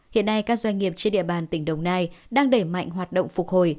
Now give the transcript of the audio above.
hiện nay các doanh nghiệp trên địa bàn tỉnh đồng nai đang đẩy mạnh hoạt động phục hồi